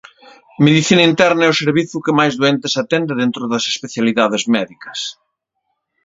Medicina Interna é o servizo que máis doentes atende dentro das especialidades médicas.